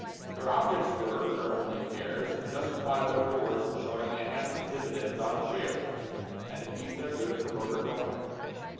Their objects were—their only cares— To justify their Boards in showing A handsome dividend on shares And keep their good promoter going.